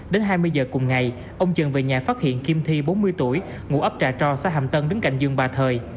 đến hai mươi h cùng ngày ông trần về nhà phát hiện kim thị bốn mươi tuổi ngủ ấp trà trò xa hàm tân đứng cạnh giường bà thời